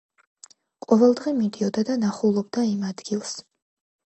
ყოველდღე მიდიოდა და ნახულობდა იმ ადგილს.